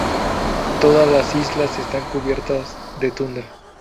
Todas las islas están cubiertas de tundra.